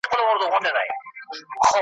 ملنګه ! په اخبار کښې يو خبر هم ﺯمونږ نشته ,